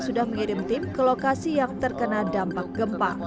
sudah mengirim tim ke lokasi yang terkena dampak gempa